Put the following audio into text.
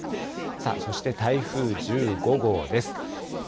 そして台風１５号です。